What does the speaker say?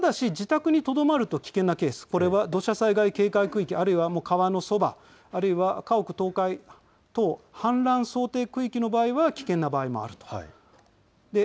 ただし自宅にとどまると危険なケース、これは土砂災害警戒区域、あるいは川のそば、あるいは家屋倒壊等氾濫想定区域の場合は危険な場合もあると。